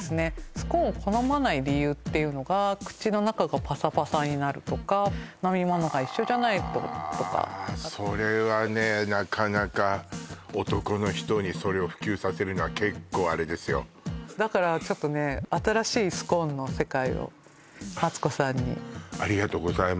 スコーンを好まない理由っていうのが口の中がパサパサになるとか飲み物が一緒じゃないととかそれはねなかなか男の人にそれを普及させるのは結構あれですよだからちょっとね新しいスコーンの世界をマツコさんにありがとうございます